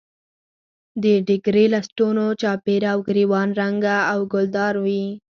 د ډیګرې لستوڼو چاپېره او ګرېوان رنګه او ګلدار وي.